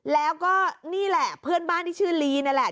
แล้วก็นี่แหละเพื่อนบ้านที่ชื่อลีนั่นแหละ